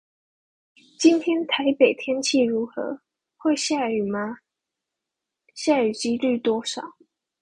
今天台北天氣如何?會下雨嗎?下雨機率多少?